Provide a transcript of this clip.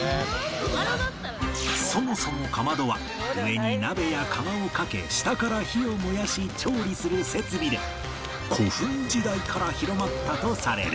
そもそもかまどは上に鍋や釜をかけ下から火を燃やし調理する設備で古墳時代から広まったとされる